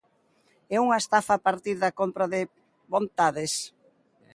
É unha estafa a partir da compra de vontades.